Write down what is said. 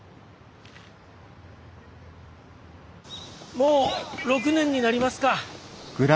もう６年になりますか。